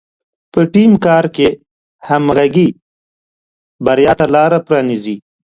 په ټیم کار کې همغږي بریا ته لاره پرانیزي.